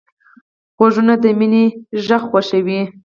غوږونه د مینې غږ خوښوي